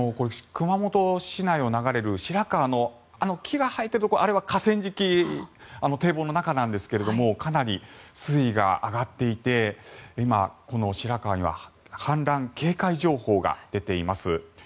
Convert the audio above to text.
熊本市内を流れる白川の木が生えているところあれは河川敷堤防の中なんですがかなり水位が上がっていて今、白川には氾濫警戒情報が出ています。